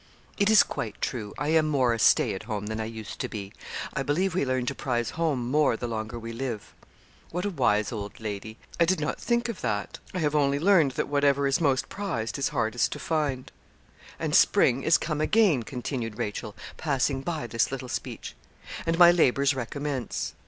'It is quite true; I am more a stay at home than I used to be. I believe we learn to prize home more the longer we live.' 'What a wise old lady! I did not think of that; I have only learned that whatever is most prized is hardest to find.' 'And spring is come again,' continued Rachel, passing by this little speech, 'and my labours recommence.